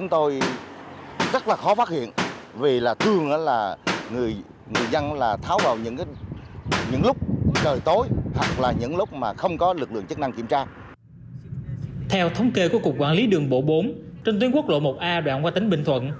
theo thống kê của cục quản lý đường bộ bốn trên tuyến quốc lộ một a đoạn qua tỉnh bình thuận